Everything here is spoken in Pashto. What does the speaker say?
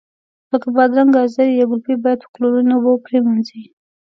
لکه بادرنګ، ګازرې یا ګلپي باید په کلورین اوبو پرېمنځي.